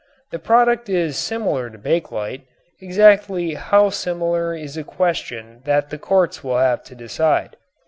The product is similar to bakelite, exactly how similar is a question that the courts will have to decide.